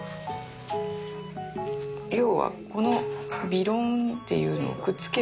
要はこのびろんっていうのをくっつける。